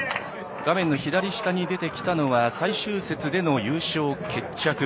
画面左下に出てきたのは最終節での優勝決着。